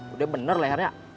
udah bener lehernya